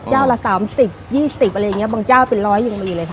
เจ้าละ๓๐๒๐อะไรอย่างเงี้ยบางเจ้าเป็น๑๐๐ยังมีเลยค่ะ